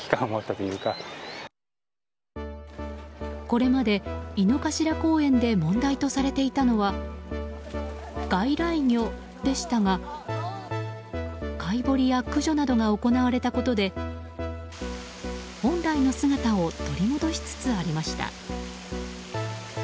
これまで井の頭公園で問題とされていたのは外来魚でしたが、かいぼりや駆除などが行われたことで本来の姿を取り戻しつつありました。